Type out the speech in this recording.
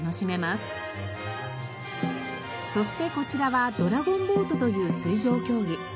そしてこちらはドラゴンボートという水上競技。